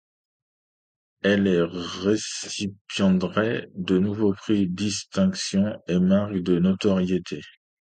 Elle est récipiendaire de nombreux prix, distinctions, et marques de notoriété.